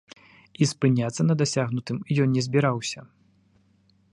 І спыняцца на дасягнутым ён не збіраўся.